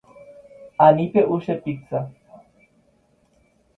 Ani pe’u che pizza.